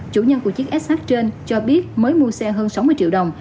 chủ nhân của chiếc sh trên cho biết mới mua xe hơn sáu mươi triệu đồng